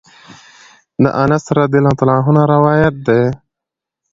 د انس رضی الله عنه نه روايت دی: